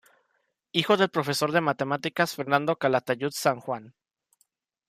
Hijo del profesor de matemáticas Fernando Calatayud San Juan.